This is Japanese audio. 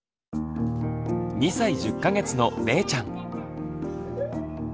２歳１０か月のれいちゃん。